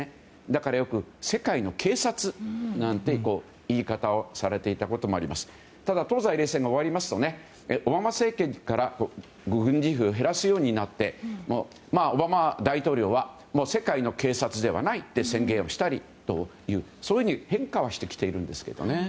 だから、よく世界の警察なんて言い方をされていたこともあります。ただ、東西冷戦が終わりますとオバマ政権から軍事費を減らすようになってオバマ大統領はもう世界の警察ではないと宣言したりというそういうふうに変化はしてきてるんですけどね。